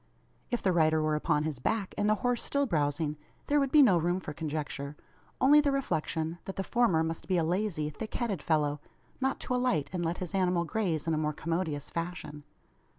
If the rider were upon his back, and the horse still browsing, there would be no room for conjecture only the reflection, that the former must be a lazy thick headed fellow, not to alight and let his animal graze in a more commodious fashion.